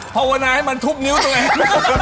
เพราะวันนี้มันทุบนิ้วตัวเอง